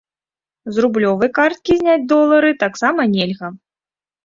З рублёвай карткі зняць долары таксама нельга.